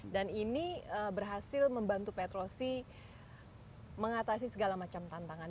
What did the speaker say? dan ini berhasil membantu petrosi mengatasi segala macam tantangan